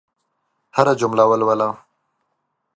هره جمله ولوله.